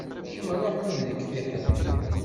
Kemm ṛuḥ ma d nekk fiḥel.